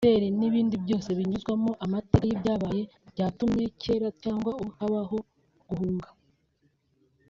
imideli n’ibindi byose binyuzwamo amateka y’ibyabaye byatumye kera cyangwa ubu habaho guhunga